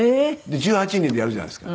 １８人でやるじゃないですか。